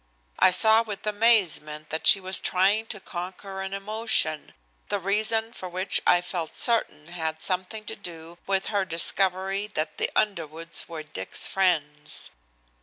I saw with amazement that she was trying to conquer an emotion, the reason for which I felt certain had something to do with her discovery that the Underwoods were Dick's friends.